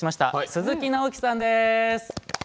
鈴木直樹さんです。